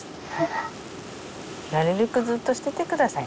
なるべくずっとしててください。